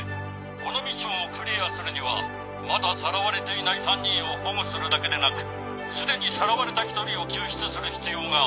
このミッションをクリアするにはまださらわれていない３人を保護するだけでなくすでにさらわれた１人を救出する必要がある。